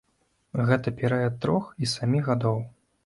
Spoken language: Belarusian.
Гэта перыяд трох і сямі гадоў.